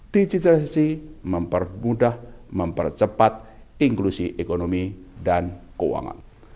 digitalisasi mempermudah mempercepat inklusi ekonomi dan keuangan